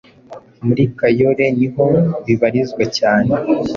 muri kayole niho bibarizwa cyane